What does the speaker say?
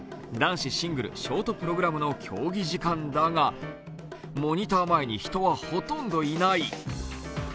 男子シングル・ショートプログラムの競技時間だが、モニター前に人はほとんどいない。